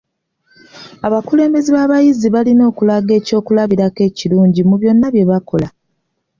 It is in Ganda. Abakulembeze b'abayizi balina okulaga ekyokulabirako ekirungi mu byonna bye bakola.